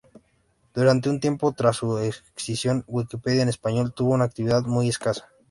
Durante un tiempo tras su escisión, Wikipedia en español tuvo una actividad muy escasa.